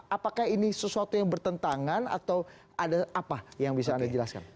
apakah ini sesuatu yang bertentangan atau ada apa yang bisa anda jelaskan